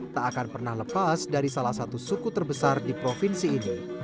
tak akan pernah lepas dari salah satu suku terbesar di provinsi ini